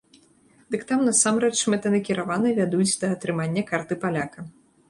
Дык там насамрэч мэтанакіравана вядуць да атрымання карты паляка.